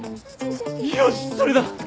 よしそれだ！